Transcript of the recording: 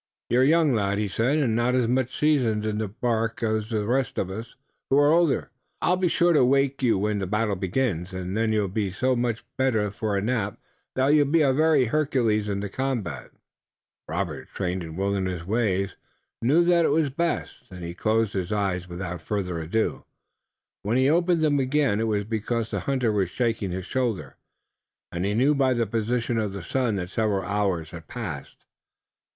"You're young, lad," he said, "and not as much seasoned in the bark as the rest of us who are older. I'll be sure to wake you when the battle begins, and then you'll be so much the better for a nap that you'll be a very Hercules in the combat." Robert, trained in wilderness ways, knew that it was best, and he closed his eyes without further ado. When he opened them again it was because the hunter was shaking his shoulder, and he knew by the position of the sun that several hours had passed.